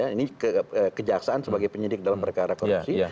ini kejaksaan sebagai penyidik dalam perkara korupsi